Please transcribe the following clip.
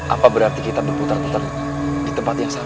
apa berarti kita berputar putar di tempat yang sama